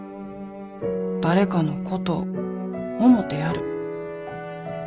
誰かのことを思てやる。